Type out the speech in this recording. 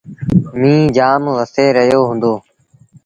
ميݩهن جآم وسي رهيو هُݩدو۔